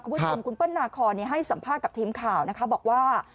คุณผู้ชมคุณเปิ้ลนาคอนให้สัมภาษณ์กับทีมข่าวนะคะบอกว่า